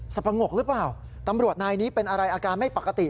พงกหรือเปล่าตำรวจนายนี้เป็นอะไรอาการไม่ปกติ